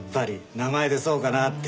名前でそうかなって。